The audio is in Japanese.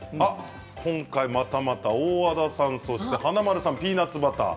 今回またまた大和田さんと華丸さんピーナツバター。